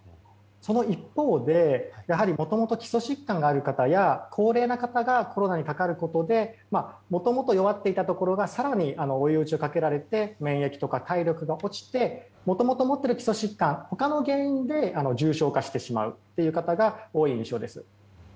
その一方でやはりもともと基礎疾患がある方や高齢の方がコロナにかかることでもともと弱っていたところが更に追い打ちをかけられて免疫とか体力が落ちてもともと持っている基礎疾患他の原因で重症化してしまうという方が多い印象です。